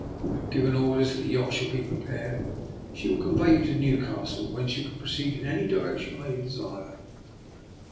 I have given or ders that the yacht shall be prepared. She will convey you to Newcastle, whence you can proceed in any direction you may desire.